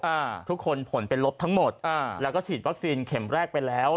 อ่าทุกคนผลเป็นลบทั้งหมดอ่าแล้วก็ฉีดวัคซีนเข็มแรกไปแล้ว